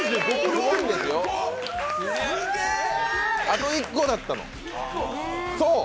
あと１個だったの。